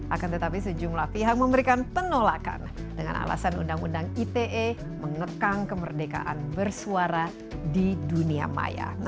akan tetapi sejumlah pihak memberikan penolakan dengan alasan undang undang ite mengekang kemerdekaan bersuara di dunia maya